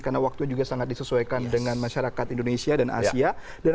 karena waktu juga sangat disesuaikan dengan masyarakat indonesia dan asia